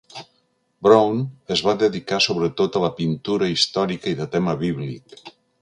Brown es va dedicar sobretot a la pintura històrica i de tema bíblic.